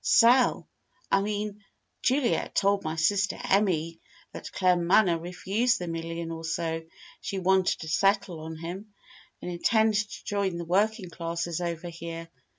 sell I mean, Juliet told my sister Emmy that Claremanagh refused the million or so she wanted to settle on him, and intended to join the working classes over here.